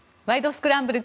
スクランブル」